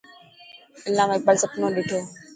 علامه اقبال سپنو ڏٺو.